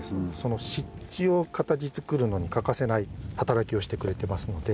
湿地を形づくるのに欠かせない働きをしてくれてますので。